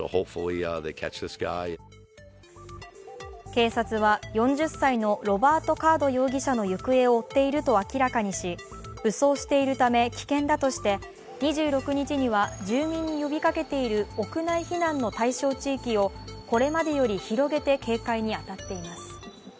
警察は４０歳のロバート・カード容疑者の行方を追っていると明らかにし、武装しているため危険だとして２６日には住民に呼びかけている屋内避難の対象地域をこれまでより広げて警戒に当たっています。